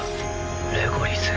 レゴリス。